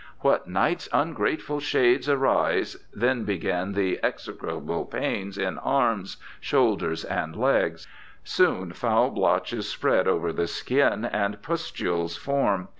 'When night's ungrateful shades arise' then begin the execrable pains in arms, shoulders, and legs. Soon foul blotches spread over the skin and pustules form.